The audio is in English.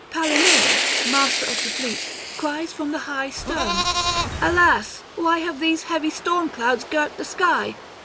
Palinurus, master of the fleet, cries from the high stern: 'Alas, why have these heavy storm clouds girt the sky?